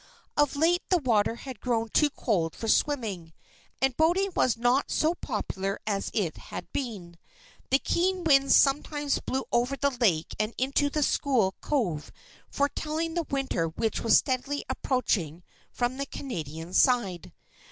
Of late the water had grown too cold for swimming, and boating was not so popular as it had been. The keen winds sometimes blew over the lake and into the school cove, foretelling the winter which was steadily approaching from the Canadian side.